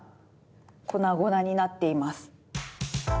粉々になっています。